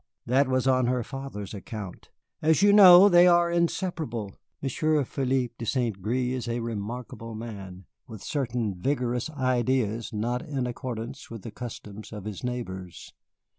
That was on her father's account. As you know, they are inseparable. Monsieur Philippe de St. Gré is a remarkable man, with certain vigorous ideas not in accordance with the customs of his neighbors.